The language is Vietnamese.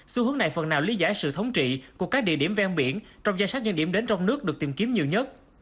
xu hướng này phần nào lý giải sự thống trị của các địa điểm ven biển trong danh sách những điểm đến trong nước được tìm kiếm nhiều nhất